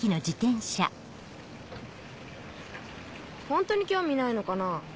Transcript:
ホントに興味ないのかな。